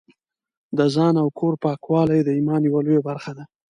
د ځان او کور پاکوالی د ایمان یوه لویه برخه ده.